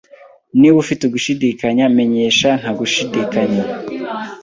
Niba ufite ugushidikanya, menyesha ntagushidikanya.